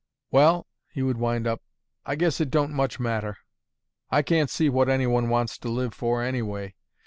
"Well," he would wind up, "I guess it don't much matter. I can't see what any one wants to live for, anyway.